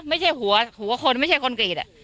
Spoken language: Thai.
มีใช้หัวหัวคนไม่ใช่คนกรีดอ่ะ